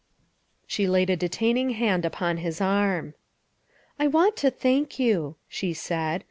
She laid a detaining hand upon his arm. " I want to thank you," she said.